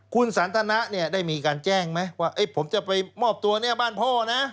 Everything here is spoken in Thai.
คุณสันทนะเนี่ยได้มีการแจ้งไหมว่าผมจะไปมอบตัวเนี่ยบ้านพ่อนะ